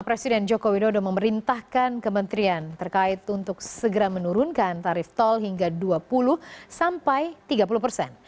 presiden joko widodo memerintahkan kementerian terkait untuk segera menurunkan tarif tol hingga dua puluh sampai tiga puluh persen